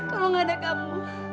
kalau gak ada kamu